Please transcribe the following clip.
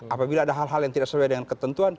apabila ada hal hal yang tidak sesuai dengan ketentuan